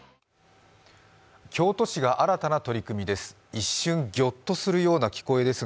京都市が新たな取り組みです。